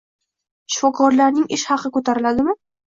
Shifokorlarning ish haqi ko‘tariladimi?